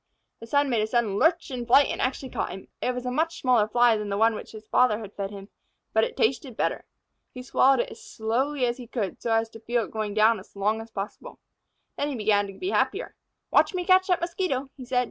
The son made a sudden lurch and flight, and actually caught him. It was a much smaller Fly than the one which his father had fed him, but it tasted better. He swallowed it as slowly as he could, so as to feel it going down as long as possible. Then he began to be happier. "Watch me catch that Mosquito," he said.